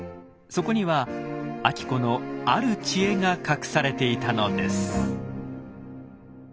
そこには晶子のある知恵が隠されていたのです。